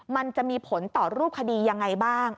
มันจะมีผลต่อรูปคดียังไงบ้าง